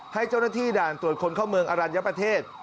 ให้เจ้าหน้าที่ด่านตรวจคนเข้าเมืองอรัญญประเทศ